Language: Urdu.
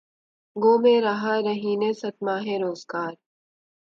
گو میں رہا رہینِ ستمہائے روزگار